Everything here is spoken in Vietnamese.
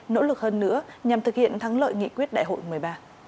nỗ lực hơn nữa nhằm thực hiện thắng lợi nghị quyết đại hội một mươi ba